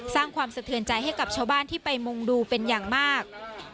สร้างความสะเทือนใจให้กับชาวบ้านที่ไปมุงดูเป็นอย่างมาก